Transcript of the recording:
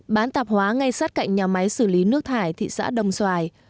bán tạp hóa ngay sát cạnh nhà máy xử lý nước thải thị xã đồng xoài